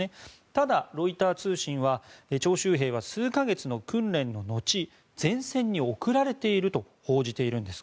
ただ、ロイター通信は徴集兵は数か月の訓練の後前線に送られていると報じているんです。